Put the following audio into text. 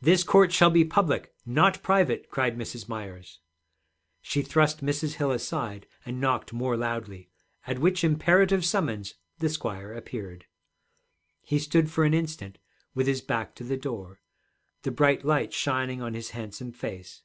'This court shall be public, not private,' cried Mrs. Myers. She thrust Mrs. Hill aside and knocked more loudly, at which imperative summons the squire appeared. He stood for an instant with his back to the door, the bright light shining on his handsome face.